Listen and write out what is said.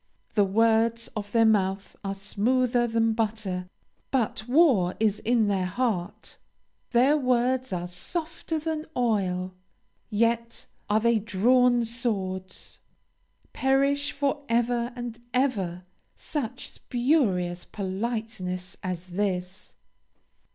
"The words of their mouth are smoother than butter, but war is in their heart: their words are softer than oil, yet are they drawn swords." Perish for ever and ever such spurious politeness as this!